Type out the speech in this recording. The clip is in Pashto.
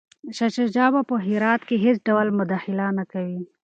شاه شجاع به په هرات کي هیڅ ډول مداخله نه کوي.